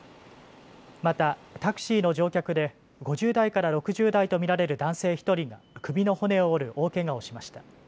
またタクシーの乗客で５０代から６０代と見られる男性１人が首の骨を折る大けがをしました。